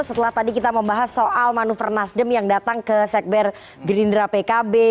setelah tadi kita membahas soal manuver nasdem yang datang ke sekber gerindra pkb